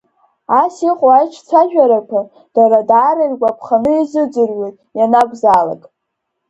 Ас иҟоу аиҿцәажәарақәа дара даара иргәаԥханы иазыӡырҩуеит ианакәзаалак.